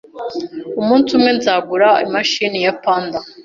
Umunsi umwe nzagura imashini ya pamba.